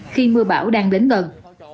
khi mưa bão đang đến gần